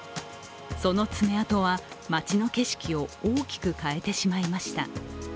その爪痕は、町の景色を大きく変えてしまいました。